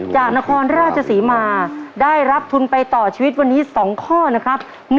จากนครราชศรีมาได้รับทุนไปต่อชีวิตวันนี้๒ข้อนะครับ